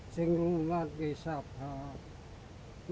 di rumahnya sabar